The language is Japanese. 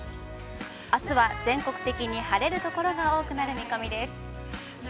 あすは、全国的に晴れるところが多くなる見込みです。